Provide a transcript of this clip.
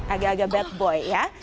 agak agak bat boy ya